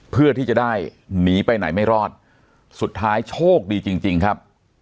เพื่อที่จะได้หนีไปไหนไม่รอดสุดท้ายโชคดีจริงจริงครับ